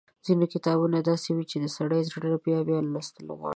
ځينې کتابونه داسې وي چې د سړي زړه يې بيا بيا لوستل غواړي۔